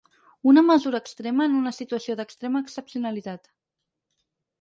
Una mesura extrema en una situació d’extrema excepcionalitat.